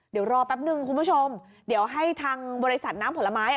เดี๋ยวรอแป๊บนึงคุณผู้ชมเดี๋ยวให้ทางบริษัทน้ำผลไม้